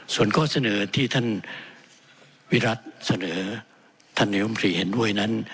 ส่วนข้อเสนอที่ท่านวิรัติเสนอท่านนายมตรีเห็นด้วยนั้น